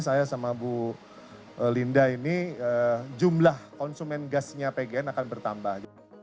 saya sama bu linda ini jumlah konsumen gasnya pgn akan bertambah